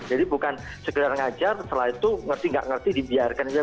jadi bukan segera ngajar setelah itu ngerti ngak ngerti dibiarkan saja